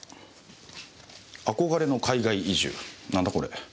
『憧れの海外移住』なんだこれ？